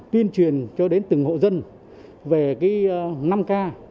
tuyên truyền cho đến từng hộ dân về năm k